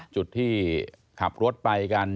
จุดที่ขับรถไปกัน